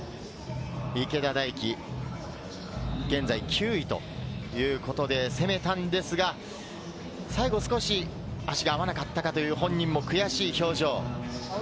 池田大暉、現在９位ということで攻めたんですが、最後少し、足が合わなかったかという本人も悔しい表情。